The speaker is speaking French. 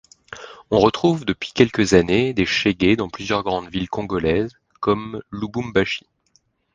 On retrouve depuis quelques années des shégués dans plusieurs grandes villes congolaises, comme Lubumbashi.